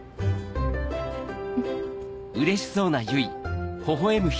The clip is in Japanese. うん。